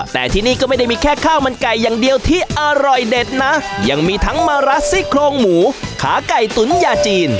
แต่ที่นี่ก็ไม่ได้มีแค่ข้าวมันไก่อย่างเดียวที่อร่อยเด็ดนะยังมีทั้งมารัสซี่โครงหมูขาไก่ตุ๋นยาจีน